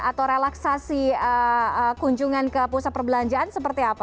atau relaksasi kunjungan ke pusat perbelanjaan seperti apa